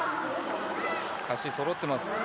足、揃っています。